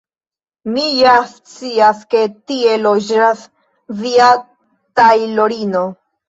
Mi ja scias, ke tie loĝas via tajlorino.